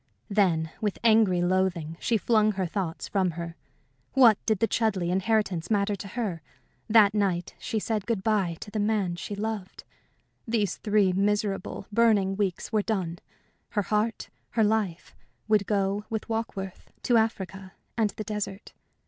Then, with angry loathing, she flung her thoughts from her. What did the Chudleigh inheritance matter to her? That night she said good bye to the man she loved. These three miserable, burning weeks were done. Her heart, her life, would go with Warkworth to Africa and the desert.